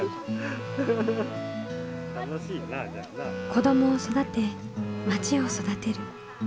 子どもを育てまちを育てる。